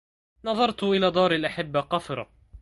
نظرت إلى دار الأحبة قفرة